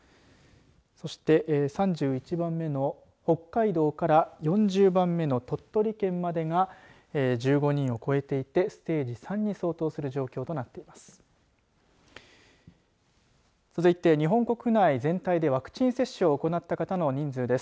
そして３１番目の北海道から４０番目の鳥取県までが１５人を超えていてステージ３に相当する状況となっています。